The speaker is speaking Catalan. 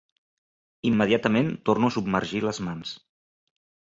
Immediatament torno a submergir les mans.